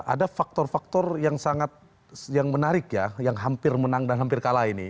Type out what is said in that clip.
ada faktor faktor yang sangat yang menarik ya yang hampir menang dan hampir kalah ini